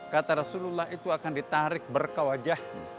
kata rasulullah itu akan ditarik berkawajah